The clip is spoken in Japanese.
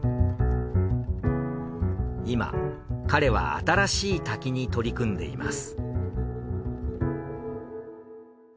今彼は新しい滝に取り組んでいます。